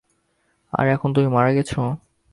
আর এখন তুমি মারা গেছো!